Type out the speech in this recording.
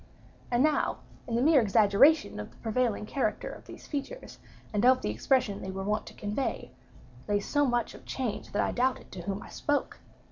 And now in the mere exaggeration of the prevailing character of these features, and of the expression they were wont to convey, lay so much of change that I doubted to whom I spoke.